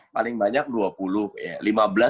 paling banyak dua puluh ya